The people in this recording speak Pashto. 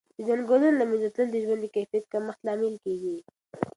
د ځنګلونو له منځه تلل د ژوند د کیفیت کمښت لامل کېږي.